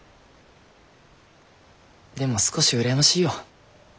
でも少し羨ましいよ。